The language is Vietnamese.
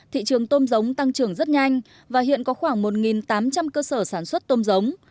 thị trường tôm giống tăng trưởng rất nhanh và hiện có khoảng một tám trăm linh cơ sở sản xuất tôm giống